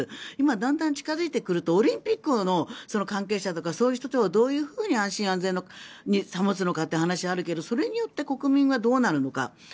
だんだん近付いてくるとオリンピックの関係者とかそういう人たちを安心安全を保つのかという話があるけれどそれによって国民はどうなるのか。